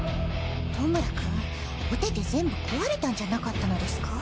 弔くんお手手全部壊れたんじゃなかったのですか？